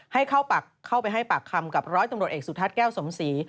เข้าไปให้ปากคำกับร้อยตำรวจเอกสุทัศน์แก้วสมศรี